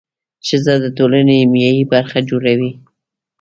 ښځه د ټولنې نیمایي برخه جوړوي.